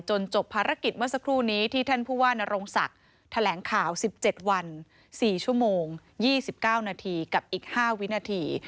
จบภารกิจเมื่อสักครู่นี้ที่ท่านผู้ว่านโรงศักดิ์แถลงข่าว๑๗วัน๔ชั่วโมง๒๙นาทีกับอีก๕วินาที